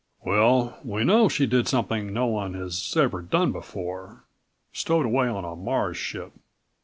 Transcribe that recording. "Well, we know she did something no one has ever done before stowed away on a Mars' ship.